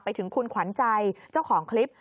ไปถึงคุณขวัญใจเจ้าของคลิป